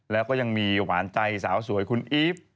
แล้วก็ยังมีหวานใจสาวสวยคุณอีฟ